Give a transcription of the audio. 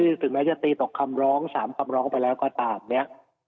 ถึงแม้จะตีตกคำร้อง๓คำร้องไปแล้วก็ตามเนี่ย